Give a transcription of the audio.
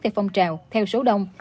theo phong trào theo số đông